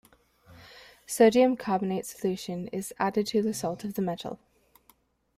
Sodium carbonate solution is added to the salt of the metal.